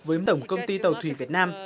với một tổng công ty tàu thủy việt nam